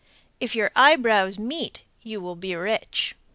If your eyebrows meet, you will be rich.